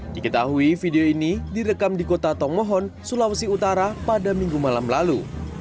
diketahui video ini direkam di kota tongmohon sulawesi utara pada minggu malam lalu